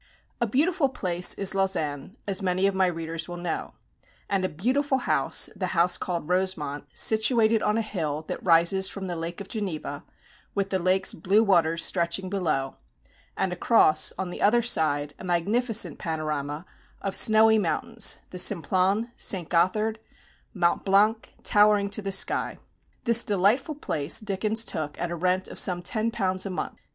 A beautiful place is Lausanne, as many of my readers will know; and a beautiful house the house called Rosemont, situated on a hill that rises from the Lake of Geneva, with the lake's blue waters stretching below, and across, on the other side, a magnificent panorama of snowy mountains, the Simplon, St. Gothard, Mont Blanc, towering to the sky. This delightful place Dickens took at a rent of some £10 a month.